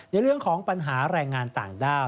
ในเรื่องของปัญหาแรงงานต่างด้าว